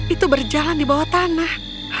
itu berjalan di bawah tanah